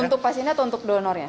untuk pasiennya atau untuk donornya